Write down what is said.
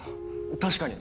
確かに。